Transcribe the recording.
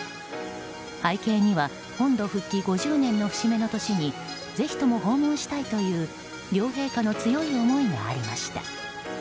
背景には本土復帰５０年の節目の年にぜひとも訪問したいという両陛下の強い思いがありました。